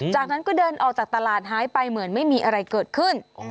จากนั้นก็เดินออกจากตลาดหายไปเหมือนไม่มีอะไรเกิดขึ้น